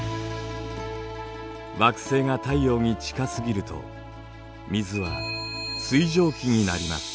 惑星が太陽に近すぎると水は水蒸気になります。